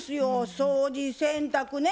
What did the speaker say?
掃除洗濯ね